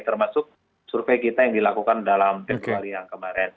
termasuk survei kita yang dilakukan dalam februari yang kemarin